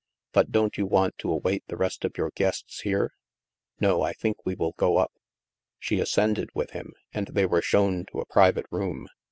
'* But don't you want to await the rest of your 4€ it guests here?" " No. I think we will go up.'* She ascended with him, and they were shown to a private room.